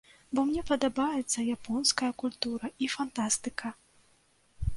Бо мне падабаецца японская культура і фантастыка.